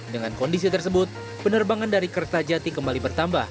dengan kondisi tersebut penerbangan dari kertajati kembali bertambah